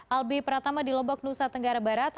albi pertama di lobok nusa tenggara barat